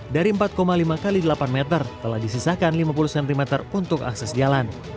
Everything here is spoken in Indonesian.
dari empat lima x delapan meter telah disisakan lima puluh cm untuk akses jalan